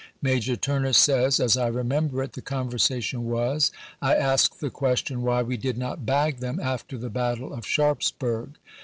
Major Turner says : ''As I remember it, the conversation was, I asked the question why we did not bag them after the battle of Sharpsburg.